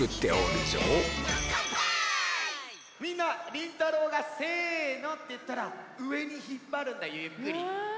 りんたろうが「せの」っていったらうえにひっぱるんだよゆっくり。